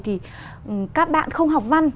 thì các bạn không học văn